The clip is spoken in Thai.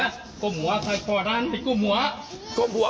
นั่นก็หมังก่อมหัวนั่นก็ไม่ก็หมังหมังหัว